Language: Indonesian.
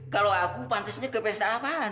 kalau aku pantesnya ke pesta apa non